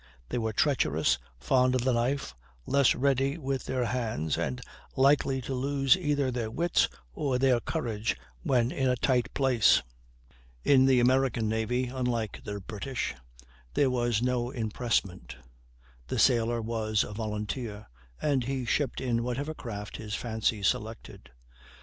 They were treacherous, fond of the knife, less ready with their hands, and likely to lose either their wits or their courage when in a tight place. In the American navy, unlike the British, there was no impressment; the sailor was a volunteer, and he shipped in whatever craft his fancy selected.